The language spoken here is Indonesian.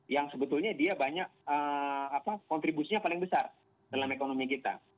yang sebetulnya dia banyak kontribusinya paling besar dalam ekonomi kita